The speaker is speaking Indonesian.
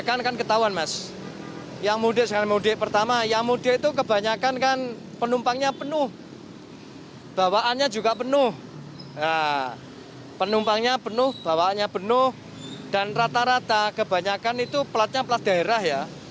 penumpangnya penuh bawaannya penuh dan rata rata kebanyakan itu pelatnya pelat daerah ya